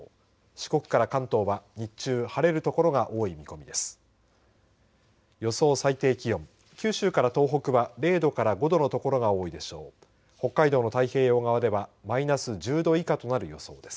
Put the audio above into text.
四国から関東は日中晴れる所が多い見込みです。